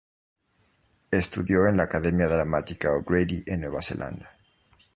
Estudió en la academia dramática O'Grady en Nueva Zelanda.